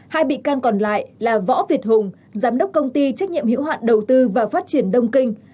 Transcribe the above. hai bị can còn lại là võ việt hùng giám đốc công ty trách nhiệm hữu hạn đầu tư và phát triển đông kinh